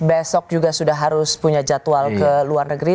besok juga sudah harus punya jadwal ke luar negeri